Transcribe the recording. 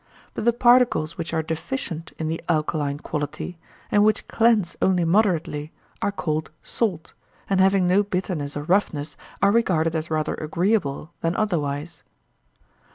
But the particles which are deficient in the alkaline quality, and which cleanse only moderately, are called salt, and having no bitterness or roughness, are regarded as rather agreeable than otherwise.